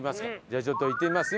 じゃあちょっと行ってみます。